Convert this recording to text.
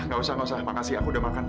gak usah gak usah makasih aku udah makan